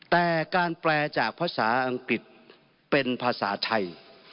แต่การแปลจากภาษาอังกฤษเป็นภาษาไทย